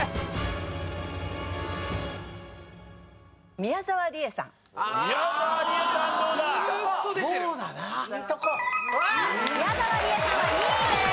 宮沢りえさんは２位です。